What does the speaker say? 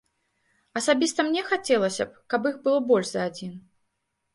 Асабіста мне хацелася б, каб іх было больш за адзін.